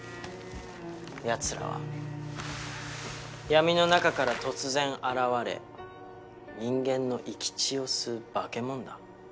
ヤツらは闇の中から突然現れ人間の生き血を吸うバケモンだ。